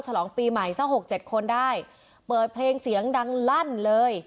ฉลองปีใหม่ซะ๖๗คนได้เปิดเพลงเสียงดังลั่นเลย